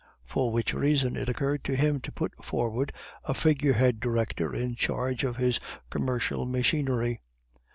For which reason, it occurred to him to put forward a figurehead director in charge of his commercial machinery.